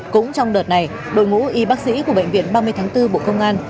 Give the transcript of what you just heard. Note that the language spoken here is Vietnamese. cũng trong đợt này đội ngũ y bác sĩ của bệnh viện ba mươi tháng bốn bộ công an